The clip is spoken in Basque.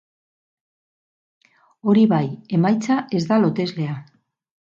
Hori bai, emaitza ez da loteslea.